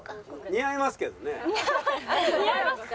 似合いますか？